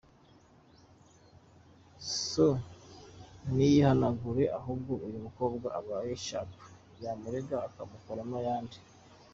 So niyihanagure ahubwo uyu mukobwa abaye sharp yamurega akamukuramo ayandi.